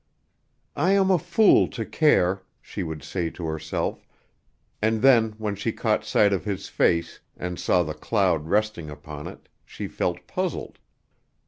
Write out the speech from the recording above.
"I am a fool to care," she would say to herself, and then when she caught sight of his face and saw the cloud resting upon it she felt puzzled.